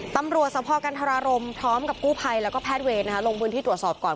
ตำรวจสะพอกกันทรารมพร้อมกับกู้ภัยและแพทเวย์ลงพื้นที่ตรวจสอบก่อน